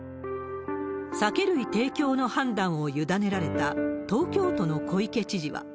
酒類提供の判断を委ねられた、東京都の小池知事は。